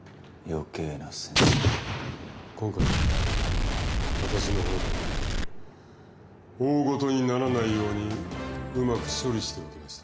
今回は私の方で大ごとにならないようにうまく処理しておきました。